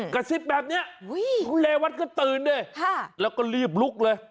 กระซิบแบบนี้คุณเรวัตก็ตื่นดิแล้วก็รีบลุกเลย